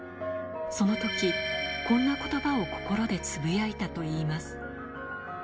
そのとき、こんなことばを心でつぶやいたといいます。